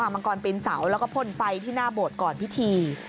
มังกรปีนเสาแล้วก็พ่นไฟที่หน้าโบสถ์ก่อนพิธี